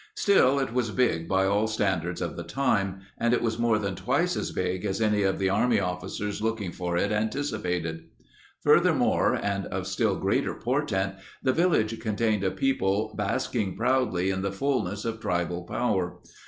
Still, it was big by all standards of the time, and it was more than twice as big as any of the Army officers looking for it anticipated. Furthermore, and of still greater portent, the village contained a people basking proudly in the fullness of tribal power.